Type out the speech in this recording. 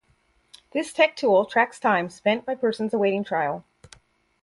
This tech tool tracks time spent by persons awaiting trial.